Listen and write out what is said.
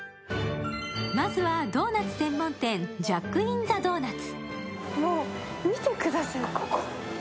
まずはドーナツ専門店ジャックインザドーナツ。